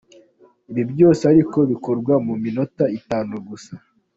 Ibi byose ariko bikorwa mu minota itanu gusa.